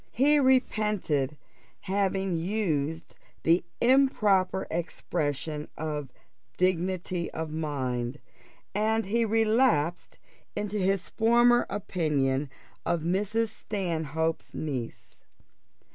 He repented having used the improper expression of dignity of mind, and he relapsed into his former opinion of Mrs. Stanhope's niece.